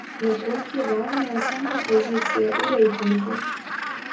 На колькі важная сама пазіцыя ў рэйтынгу?